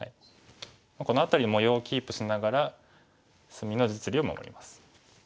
この辺り模様をキープしながら隅の実利を守ります。